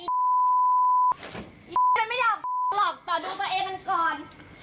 อี๋มันไม่อยากพูดหรอกต่อดูตัวเองมันก่อน